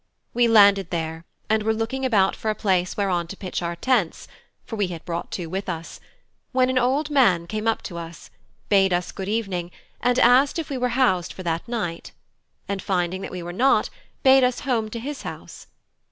We landed there, and were looking about for a place whereon to pitch our tents (for we had brought two with us), when an old man came up to us, bade us good evening, and asked if we were housed for that that night; and finding that we were not, bade us home to his house.